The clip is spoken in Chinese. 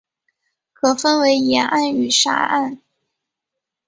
可分为岩岸与沙岸。